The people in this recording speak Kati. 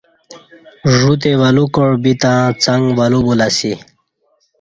ژوتے ولو کاع بِتں څنگ ولو بُلہ اسی